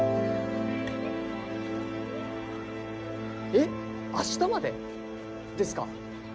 ・えっあしたまでですか！？